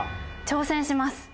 挑戦します！